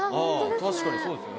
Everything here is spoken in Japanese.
確かにそうですね。